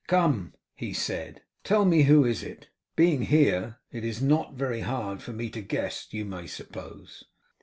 'Come,' he said, 'tell me who is it? Being here, it is not very hard for me to guess, you may suppose.